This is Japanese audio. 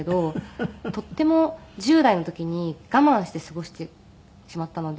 とっても１０代の時に我慢して過ごしてしまったので。